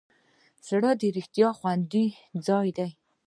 زړه د رښتیا خوندي ځای دی.